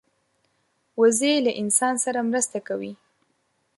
وزې له انسان سره مرسته کوي